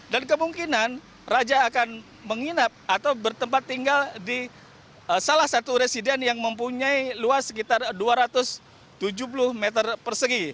dan kemungkinan raja akan menginap atau bertempat tinggal di salah satu resident yang mempunyai luas sekitar dua ratus tujuh puluh meter persegi